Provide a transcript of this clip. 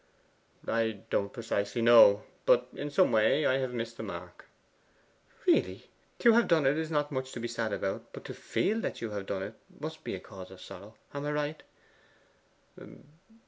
'I don't precisely know. But in some way I have missed the mark.' 'Really? To have done it is not much to be sad about, but to feel that you have done it must be a cause of sorrow. Am I right?